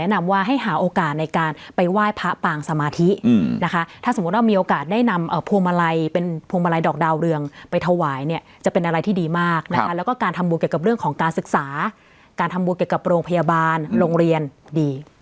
นะฮะแล้วก็การทำบูรณ์เกี่ยวกับเรื่องของการศึกษาการทำบูรณ์เกี่ยวกับโรงพยาบาลโรงเรียนดี